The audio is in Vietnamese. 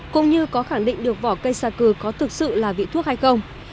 cũng như có khẳng định được vỏ cây xà cừ có thực sự là vị thuốc hay không